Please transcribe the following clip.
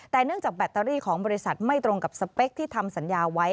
แต่เนื่องจากแบตเตอรี่ของบริษัทไม่ตรงกับสเปคที่ทำสัญญาไว้